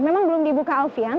memang belum dibuka alfian